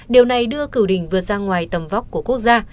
điều này đưa cửu đỉnh vượt ra ngoài tầm vóc của quốc gia